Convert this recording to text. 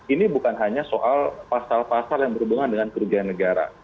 ini bukan hanya soal pasal pasal yang berhubungan dengan kerugian negara